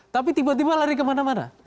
tapi tiba tiba lari kemana mana